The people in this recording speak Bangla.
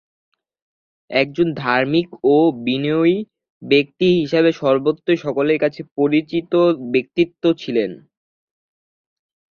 একজন ধার্মিক ও বিনয়ী ব্যক্তি হিসেবে সর্বত্র সকলের কাছে পরিচিত ব্যক্তিত্ব ছিলেন।